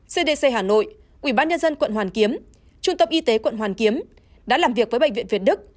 cdc hà nội ubnd quận hoàn kiếm trung tâm y tế quận hoàn kiếm đã làm việc với bệnh viện việt đức